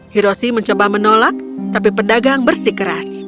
hiroshi mencoba menolak tapi pedagang bersikeras